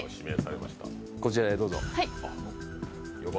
こちらへどうぞ。